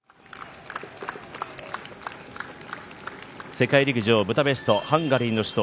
世界陸上ブダペストハンガリーの首都